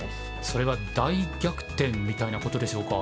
それは大逆転みたいなことでしょうか。